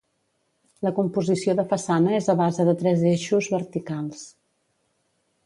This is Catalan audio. La composició de façana és a base de tres eixos verticals.